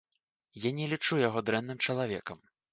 Я не лічу яго дрэнным чалавекам.